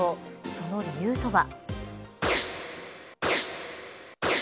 その理由とは。